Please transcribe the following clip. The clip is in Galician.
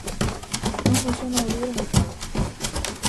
Non funciona o "libre mercado".